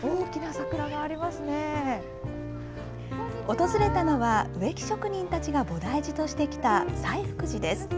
訪れたのは、植木職人たちが菩提寺としてきた西福寺です。